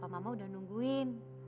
papa mama udah nungguin